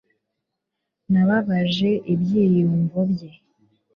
nababaje ibyiyumvo bye